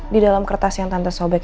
di dalam kertas yang tante sobek